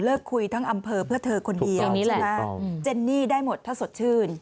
เลิกคุยทั้งอัมเภอเพื่อเธอคนดีแบบนี้แหละใช่ค่ะเจนี่ได้หมดถ้าสดชื่น